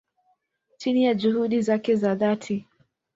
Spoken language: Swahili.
chini ya juhudi zake za dhati